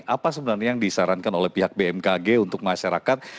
apa sebenarnya yang disarankan oleh pihak bmkg untuk masyarakat